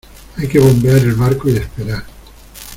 hay que bombear el barco y esperar.